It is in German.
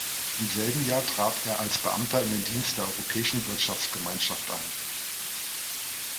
Im selben Jahr trat er als Beamter in den Dienst der Europäischen Wirtschaftsgemeinschaft ein.